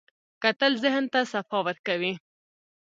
کتل ذهن ته صفا ورکوي